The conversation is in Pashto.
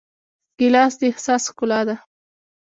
ګیلاس د احساس ښکلا ده.